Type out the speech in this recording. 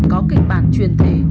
có kịch bản truyền thể